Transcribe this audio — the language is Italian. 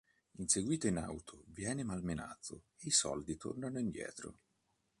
Inseguito in auto, viene malmenato, e i soldi tornano indietro.